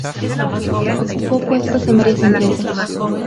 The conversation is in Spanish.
Ocupó puestos en varias empresas.